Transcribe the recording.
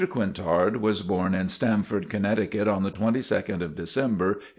Quintard was born in Stamford, Connecticut, on the 22nd of December, 1824.